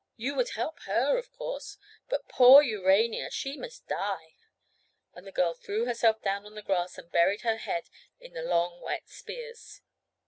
You would help her, of course, but poor Urania—she must die," and the girl threw herself down upon the grass and buried her head in the long wet spears.